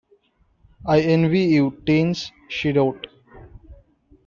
I envy you, teens, she wrote.